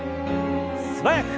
素早く。